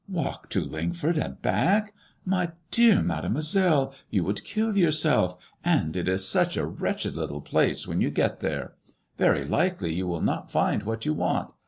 Walk to Lingford and back ! My dear Mademoiselle, you would kill yourself, and it is such a wretched little place when you get there ; very likely you will not find what you want.